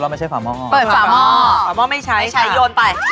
ไม่ใช่ฝาหม้อเปิดฝาหม้อฝาหม้อไม่ใช้ใช้โยนไป